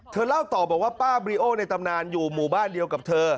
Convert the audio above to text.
เล่าต่อบอกว่าป้าบริโอในตำนานอยู่หมู่บ้านเดียวกับเธอ